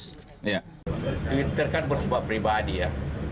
twitter kan bersifat pribadi ya